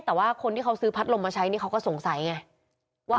แต่ว่าคนที่เขาซื้อพัดลมมาใช้นี่เขาก็สงสัยไงว่า